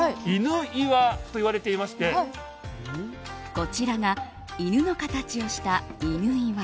こちらが犬の形をした戌岩。